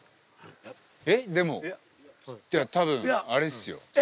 えっでもたぶんあれっすよ。